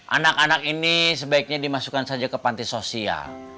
anak anak ini sebaiknya dimasukkan saja ke panti sosial